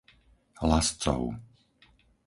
Lascov